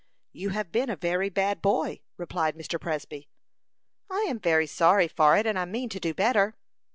"You have been a very bad boy," replied Mr. Presby. "I am very sorry for it, and I mean to do better."